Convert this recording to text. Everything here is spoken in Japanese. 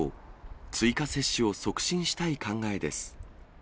追加接種を促進したい考えです。